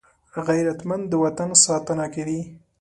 غیرتمند د وطن ساتنه کوي